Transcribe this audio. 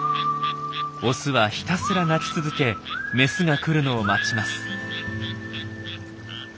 オスはひたすら鳴き続けメスが来るのを待ちます。